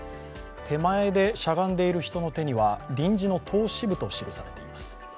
手前でしゃがんでいる人の手には臨時の党支部と記されています。